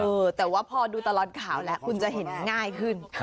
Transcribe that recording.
เออแต่ว่าพอดูตลอดข่าวแล้วคุณจะเห็นง่ายขึ้น